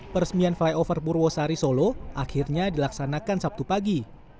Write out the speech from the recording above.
peresmian flyover purwosari solo akhirnya dilaksanakan sabtu pagi